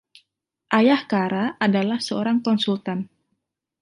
Ayah Cara adalah seorang konsultan.